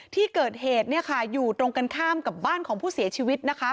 ที่เกิดเหตุอยู่ตรงกันข้ามกับบ้านของผู้เสียชีวิตนะคะ